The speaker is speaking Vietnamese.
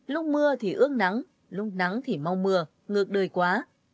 lúc mưa thì ướp nắng lúc nắng thì mau mưa ngược đời quá